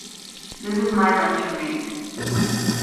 This is my lecture mate